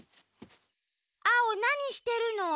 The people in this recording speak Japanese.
アオなにしてるの？